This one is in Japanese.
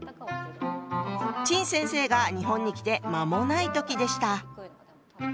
陳先生が日本に来て間もない時でした。